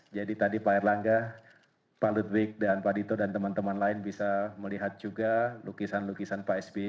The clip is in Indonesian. jadi tadi pak erlangga pak ludwig pak dito dan teman teman lain bisa melihat juga lukisan lukisan pak sbi